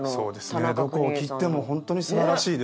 どこを切っても本当に素晴らしいです。